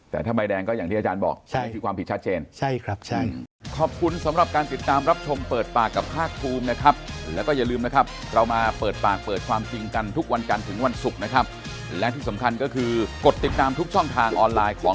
แต่ถ้าใบแดงก็อย่างที่อาจารย์บอกนี่คือความผิดชัดเจน